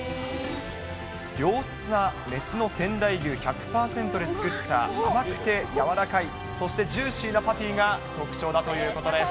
良質な雌の仙台牛１００％で作った甘くて柔らかい、そしてジューシーなパティが特徴だということです。